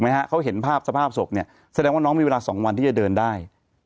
เขาเห็นภาพสภาพศพเนี่ยแสดงว่าน้องมีเวลาสองวันที่จะเดินได้